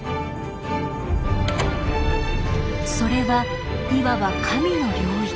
それはいわば「神の領域」。